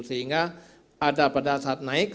sehingga ada pada saat naik